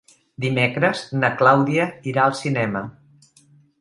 Dimecres na Clàudia irà al cinema.